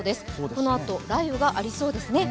このあと雷雨がありそうですね。